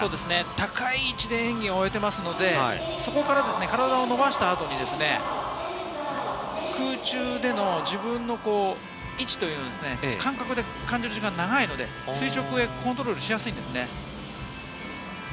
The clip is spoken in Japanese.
高い位置で演技を終えていますので、そこから体を伸ばした後に空中での自分の位置、感覚で感じる時間が長いので、垂直にコントロールしやすいんですね。